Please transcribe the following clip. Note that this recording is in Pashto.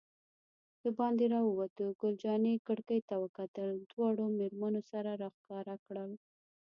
دباندې راووتو، ګل جانې کړکۍ ته وکتل، دواړو مېرمنو سرونه را ښکاره کړل.